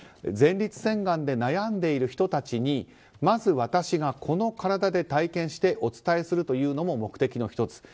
前立腺がんで悩んでいる人たちにまず私がこの体で体験してお伝えするというのも目的の１つ。